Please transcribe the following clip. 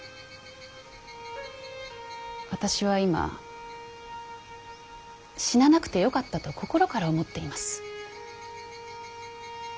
私は今死ななくてよかったと心から思っています。